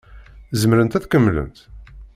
Zemrent ad kemmlent?